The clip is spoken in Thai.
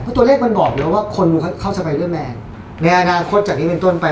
คือตัวเลขมันบอกแล้วว่าคนดูเข้าสไปเดอร์แมนในอนาคตจากนี้เป็นต้นไป